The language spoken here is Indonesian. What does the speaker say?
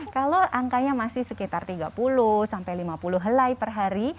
kalau angkanya masih sekitar tiga puluh sampai lima puluh helai per hari